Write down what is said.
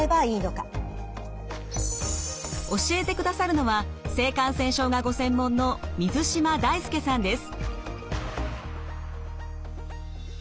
教えてくださるのは性感染症がご専門の水島大輔さんです。